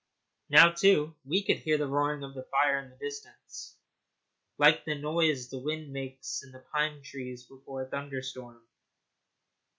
Now, too, we could hear the roaring of the fire in the distance, like the noise the wind makes in the pine trees before a thunderstorm.